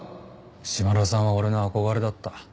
島田さんは俺の憧れだった。